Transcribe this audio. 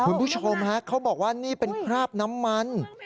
คุณผู้ชมฮะเขาบอกว่านี่เป็นคราบน้ำมัน